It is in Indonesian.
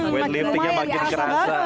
windliftingnya makin kerasa